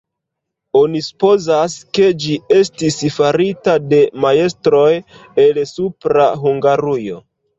Oni supozas, ke ĝi estis farita de majstroj el Supra Hungarujo.